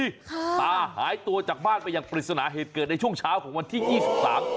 ค่ะตาหายตัวจากบ้านไปอย่างปริศนาเหตุเกิดในช่วงเช้าของวันที่ยี่สิบสาม